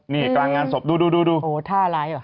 นี่การงานศพดูโอ้ท่าอะไร